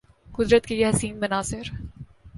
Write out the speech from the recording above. قدرت کے یہ حسین مناظر